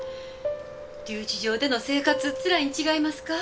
留置場での生活つらいん違いますか？